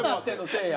せいや。